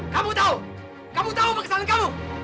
kamu tahu kamu tahu apa kesalahan kamu